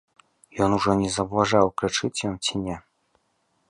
Ён ужо не заўважаў, крычыць ён ці не.